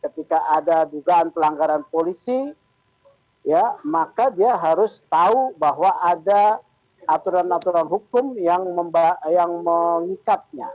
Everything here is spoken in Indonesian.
ketika ada dugaan pelanggaran polisi maka dia harus tahu bahwa ada aturan aturan hukum yang mengikatnya